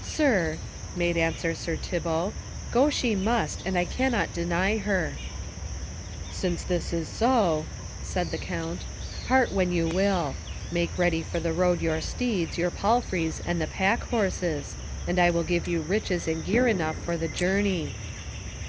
"Sir," made answer Sir Thibault, "go she must, and I cannot deny her." "Since this is so," said the Count, "part when you will. Make ready for the road your steeds, your palfreys, and the pack horses, and I will give you riches and gear enough for the journey."